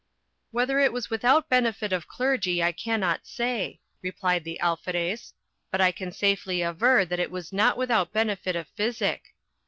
"Whether it was without benefit of clergy I cannot say," replied the Alferez; "but I can safely aver that it was not without benefit of physic.